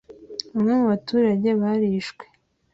Bamwe mu baturage barishwe.